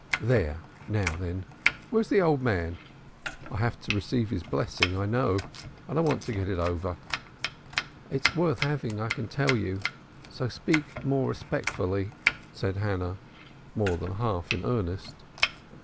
There! Now, then! Where's the old man? I have to receive his blessing, I know, and I want to get it over." "It's worth having, I can tell you, so speak more respectfully," said Hannah, more than half in earnest.